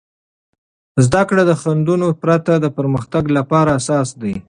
زده کړه د خنډونو پرته د پرمختګ لپاره اساس دی.